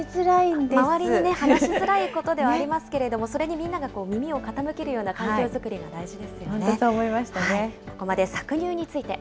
周りに話しづらいことではありますけれども、それにみんなが耳を傾けるような環境作りが大事